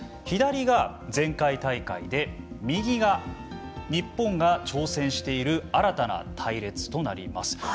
左が前回大会で右が日本が挑戦している新たな隊列となります。